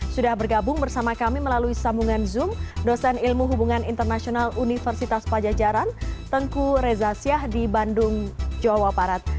sudah bergabung bersama kami melalui sambungan zoom dosen ilmu hubungan internasional universitas pajajaran tengku reza syah di bandung jawa barat